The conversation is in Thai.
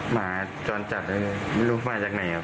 หมาจรจัดไม่รู้มาจากไหนครับ